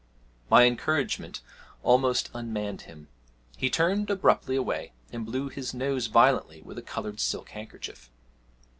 My encouragement almost unmanned him. He turned abruptly away and blew his nose violently with a coloured silk handkerchief.